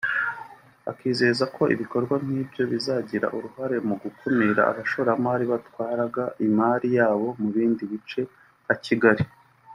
Akizeza ko ibikorwa nk’ibyo bizagira uruhare mu gukumira abashoramari batwaraga imari yabo mu bindi bice nka Kigali